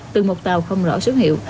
từ một tàu không rõ số hiệu